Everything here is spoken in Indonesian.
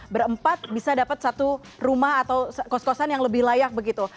berempat bisa dapat satu rumah atau kos kosan yang lebih layak begitu